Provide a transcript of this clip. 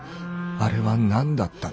「あれ」は何だったのか？